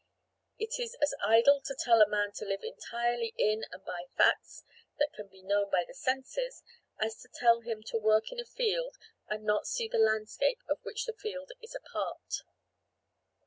It is as idle to tell a man to live entirely in and by facts that can be known by the senses as to tell him to work in a field and not see the landscape of which the field is a part.